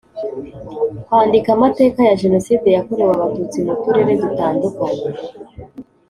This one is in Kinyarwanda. Kwandika amateka ya Jenoside yakorewe Abatutsi mu Turere dutandukanye